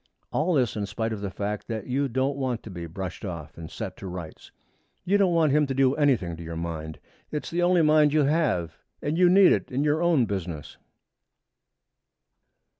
All this in spite of the fact that you don't want to be brushed off and set to rights. You don't want him to do anything to your mind. It's the only mind you have and you need it in your own business.